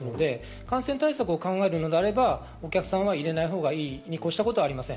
感染対策を考えるのであれば、お客さんは入れないに越したことはありません。